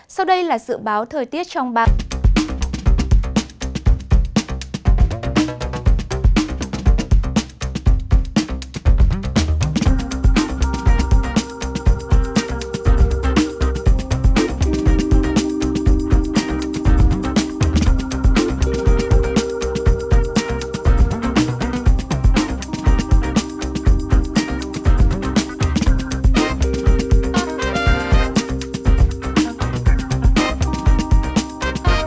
sau đây là dự báo thời tiết trong ba ngày